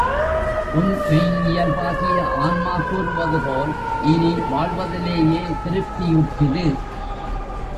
உன் மெய் இயல்பாகிய ஆன்மா கூறுவது போல் இனி வாழ்வதிலேயே திருப்தியுற்றிரு.